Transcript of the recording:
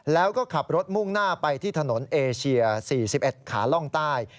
แล้วก็ขับรถมุ่งหน้าไปที่ถนนเอเชีย๔๑ขาล่องใต้